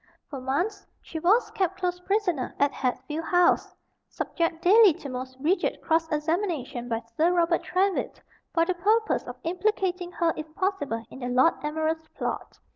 For months she was kept close prisoner at Hatfield House, subject daily to most rigid cross examination by Sir Robert Trywhitt for the purpose of implicating her if possible in the Lord Admiral's plot.